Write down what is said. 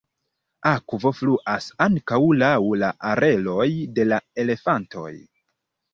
Akvo fluas ankaŭ laŭ la oreloj de la elefantoj.